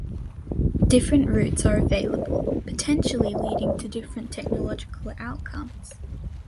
Different routes are available, potentially leading to different technological outcomes.